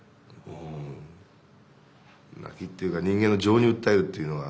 泣きっていうか人間の情に訴えるっていうのが。